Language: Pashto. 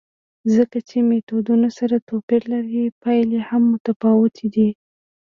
ځکه چې میتودونه سره توپیر لري، پایلې هم متفاوتې دي.